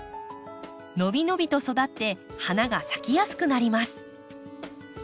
伸び伸びと育って花が咲きやすくなります。